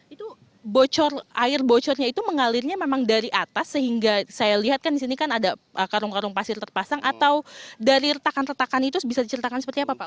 itu air bocornya itu mengalirnya memang dari atas sehingga saya lihat kan di sini kan ada karung karung pasir terpasang atau dari retakan retakan itu bisa diceritakan seperti apa pak